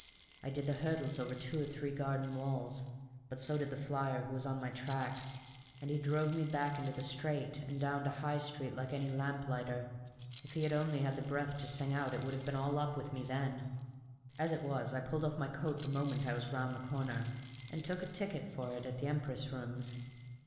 "I did the hurdles over two or three garden walls, but so did the flyer who was on my tracks, and he drove me back into the straight and down to High Street like any lamplighter. If he had only had the breath to sing out it would have been all up with me then; as it was I pulled off my coat the moment I was round the corner, and took a ticket for it at the Empress Rooms."